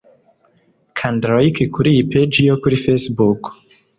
kanda Like kuri iyi page yo kuri Facebook